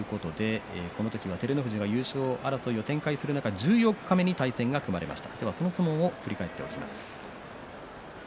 この時は照ノ富士が優勝争いを展開する中十四日目に対戦が組まれました。